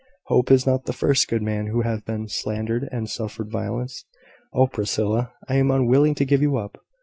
"Hope is not the first good man who has been slandered and suffered violence. Oh, Priscilla, I am unwilling to give you up!